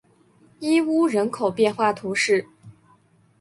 伊乌人口变化图示